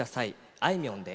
あいみょんで。